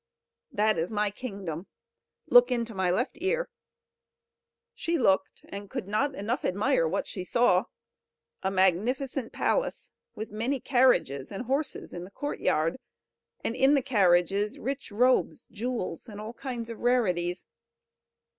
"That is my kingdom. Look into my left ear." She looked, and could not enough admire what she saw a magnificent palace, with many carriages and horses in the courtyard, and in the carriages rich robes, jewels, and all kinds of rarities.